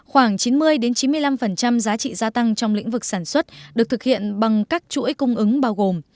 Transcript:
khoảng chín mươi chín mươi năm giá trị gia tăng trong lĩnh vực sản xuất được thực hiện bằng các chuỗi cung ứng bao gồm